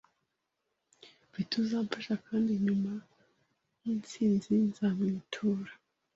mfite uzapfasha kandi nyuma y’ insinzi nzamwitura